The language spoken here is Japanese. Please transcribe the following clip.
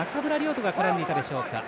土が絡んでいったでしょうか。